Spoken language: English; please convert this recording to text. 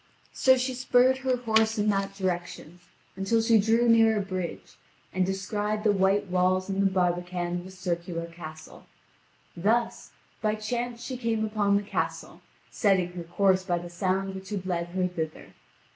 So she spurred her horse in that direction, until she drew near a bridge, and descried the white walls and the barbican of a circular castle. Thus, by chance she came upon the castle, setting her course by the sound which had led her thither.